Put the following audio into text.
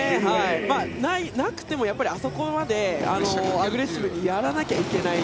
なくてもやっぱりあそこまでアグレッシブにやらなきゃいけない。